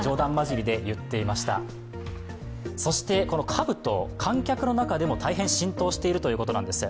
かぶと、観客の中でも大変浸透しているということなんです。